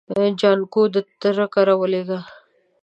جانکو د تره کره ولېږه.